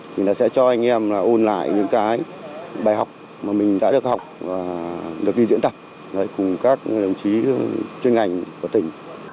thì sẽ cho anh em ôn lại những bài học mà mình đã được học và được đi diễn tập cùng các đồng chí chuyên ngành của tỉnh